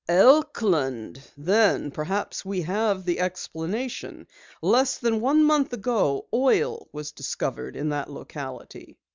"Elkland! Then perhaps we have the explanation. Less than a month ago oil was discovered in that locality!"